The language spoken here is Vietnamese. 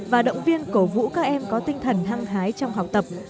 và động viên cổ vũ các em có tinh thần hăng hái trong học tập